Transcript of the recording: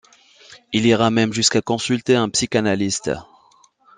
Il ira même jusqu'à consulter un psychanalyste.